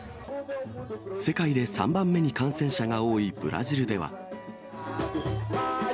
世界で３番目に感染者が多いブラジルでは。